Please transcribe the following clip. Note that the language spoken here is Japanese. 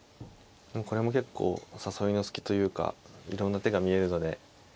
これも結構誘いの隙というかいろんな手が見えるので。